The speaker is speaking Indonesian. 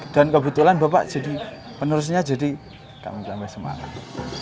dan kebetulan bapak jadi penerusnya jadi kami tambah semangat